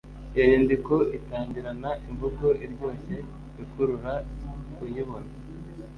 iyo nyandiko itangirana imvugo iryoshye ikurura uyibona “